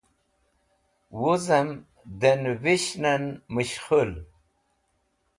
wuz'em da nivishn'en mushkhul